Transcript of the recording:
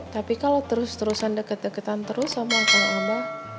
tapi kalau terus terusan deket deketan terus sama sama